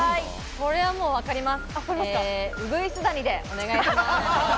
これはもう分かります。